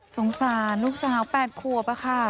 สงสารลูกสาวแปดขวบอ่ะค่ะ